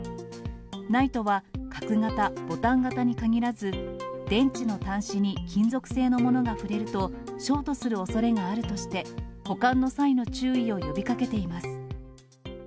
ＮＩＴＥは角形、ボタン型に限らず、電池の端子に金属製のものが触れると、ショートするおそれがあるとして、保管の際の注意を呼びかけています。